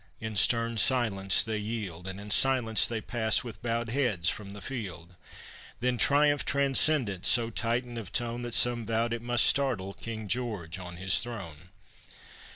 In stern silence they yield, And in silence they pass with bowed heads from the field. Then triumph transcendent! so Titan of tone That some vowed it must startle King George on his throne.